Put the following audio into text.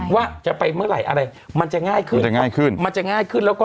ว่าจะไปเมื่อไหร่อะไรมันจะง่ายขึ้นมันจะง่ายขึ้นแล้วก็